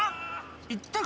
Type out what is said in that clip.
行ったか？